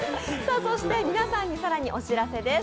皆さんに更にお知らせです。